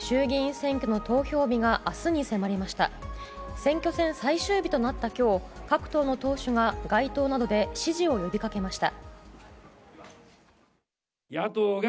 選挙戦最終日となった今日各党の党首が街頭などで支持を呼びかけました。